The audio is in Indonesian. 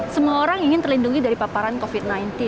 semua orang ingin terlindungi dari paparan covid sembilan belas